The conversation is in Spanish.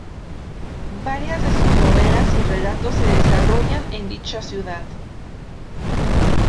Varias de sus novelas y relatos se desarrollan en dicha ciudad.